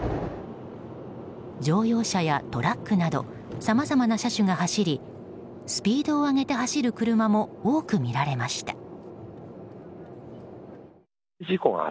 乗用車やトラックなどさまざまな車種が走りスピードを上げて走る車も多く見られました。